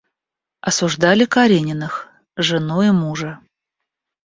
Осуждали Карениных, жену и мужа.